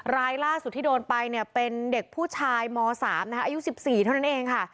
รายล่าสุดที่โดนไปเนี่ยเป็นเด็กผู้ชายม๓นะคะอายุ๑๔เท่านั้นเองค่ะ